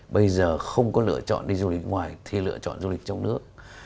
bây giờ không có lựa chọn đi du lịch nước ngoài thì lựa chọn du lịch trong nước